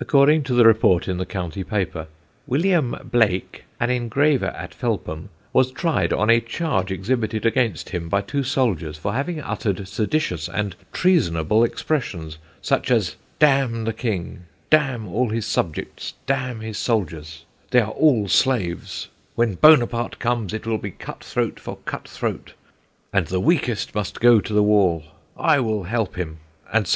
According to the report in the County paper, "William Blake, an engraver at Felpham, was tried on a charge exhibited against him by two soldiers for having uttered seditious and treasonable expressions, such as 'd n the king, d n all his subjects, d n his soldiers, they are all slaves; when Buonaparte comes, it will be cut throat for cut throat, and the weakest must go to the wall; I will help him; &c., &c.'"